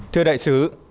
thưa đại sứ